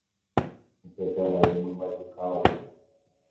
Upe karai omymbajukávajepi.